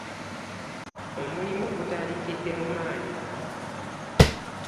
Omulimu gutandikidde mu maanyi.